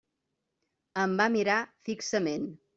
Em va mirar fixament.